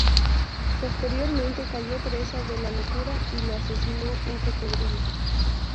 Posteriormente cayó presa de la locura y lo asesinó un cocodrilo".